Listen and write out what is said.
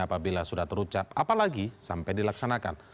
apabila sudah terucap apalagi sampai dilaksanakan